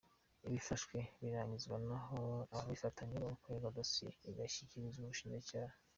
Ibifashwe birangizwa ; naho ababifatanywe bakorerwa dosiye igashyikirizwa ubushinjacyaha.